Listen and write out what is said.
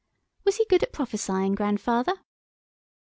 Was he good at prophesying, grandfather?"